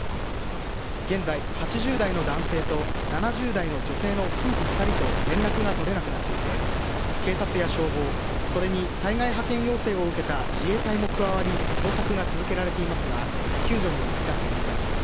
現在、８０代の男性と７０代の女性の夫婦２人と連絡が取れなくなっていて警察や消防それに災害派遣要請を受けた自衛隊も加わり捜索が続けられていますが救助には至っていません。